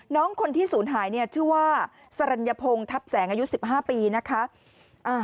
น้องคนที่สูญหายชื่อว่าสรรญพงศ์ทัพแสงอายุ๑๕ปีนะคะ